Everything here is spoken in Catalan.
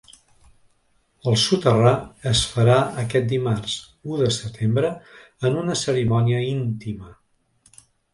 El soterrar es farà aquest dimarts, u de setembre, en una cerimònia íntima.